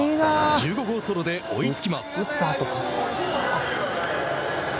１５号ソロで追いつきます。